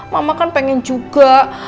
mama pengen juga